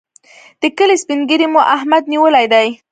د کلي سپين ږيری مو احمد نیولی دی.